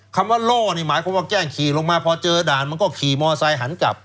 คำว่าโล่นี่หมายความว่าแกล้งขี่ลงมาพอเจอด่านมันก็ขี่มอไซค์หันกลับ